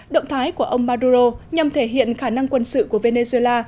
động thái của ông maduro nhằm thể hiện khả năng quân sự của venezuela